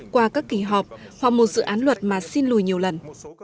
qua các kỳ họp hoặc một dự án luật mà xin lùi nhiều lần